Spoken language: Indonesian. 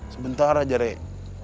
sebentar aja rek